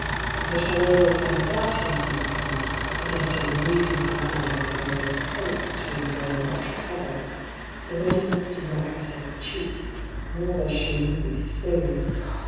But although there was anxiety in her enquiries, and evident relief in her man ner when PauU gave her hopes that her employer might recover, the ruddiness did not forsake her cheeks, nor was she in the least flurried.